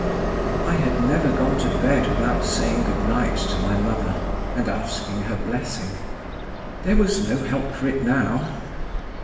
(I had never gone to bed without saying good night to my mother, and asking her blessing. There was no help for it now!)